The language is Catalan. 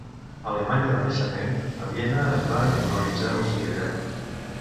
Alemanya de naixement, a Viena es va naturalitzar austríaca.